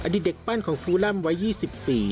ดิตเด็กปั้นของฟูรั่มวัย๒๐ปี